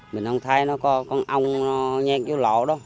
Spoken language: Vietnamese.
mình không thấy nó có con ong nó nhét vô lỗ đâu